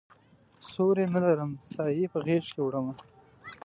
سیوری نه لرم سایې په غیږکې وړمه